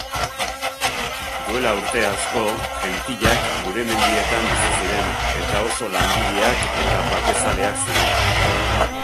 Duela urte asko jentilak gure mendietan bizi ziren eta oso langileak eta bakezaleak ziren.